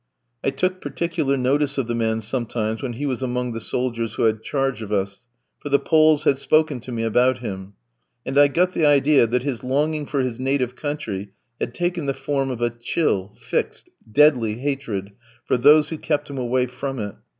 I took particular notice of the man sometimes when he was among the soldiers who had charge of us, for the Poles had spoken to me about him; and I got the idea that his longing for his native country had taken the form of a chill, fixed, deadly hatred for those who kept him away from it.